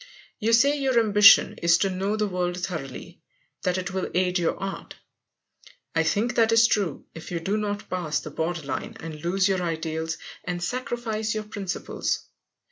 You say your ambition is to know the world thoroughly, that it will aid your art. I think that is true, if you do not pass the border line and lose your ideals and sacrifice your principles.